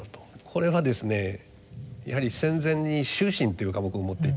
これはですねやはり戦前に「修身」という科目を持っていた。